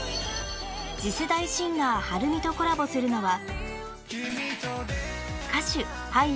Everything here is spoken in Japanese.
［次世代シンガー遥海とコラボするのは］